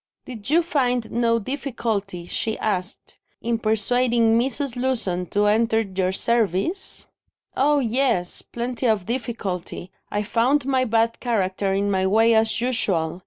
"Did you find no difficulty," she asked, "in persuading Mrs. Lewson to enter your service?" "Oh, yes, plenty of difficulty; I found my bad character in my way, as usual."